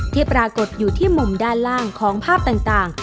ปรากฏอยู่ที่มุมด้านล่างของภาพต่าง